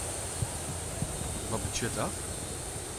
Wat betsjut dat?